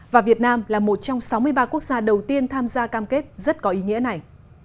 và việt nam là một trong sáu mươi ba quốc gia đầu tiên tham gia cam kết rất có ý nghĩa này